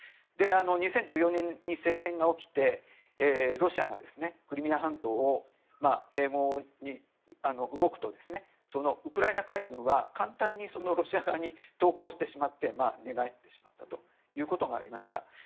２０１４年に政変が起きてロシアがクリミア半島の併合に動くとウクライナ海軍は簡単にロシア側に投降してしまって寝返ってしまったということがありました。